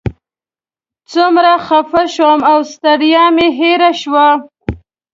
څومره خفه شوم او ستړیا مې هېره شوه.